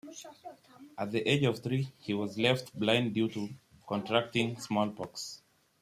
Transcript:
At the age of three, he was left blind due to contracting smallpox.